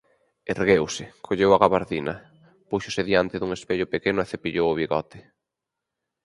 Ergueuse, colleu a gabardina, púxose diante dun espello pequeno e cepillou o bigote.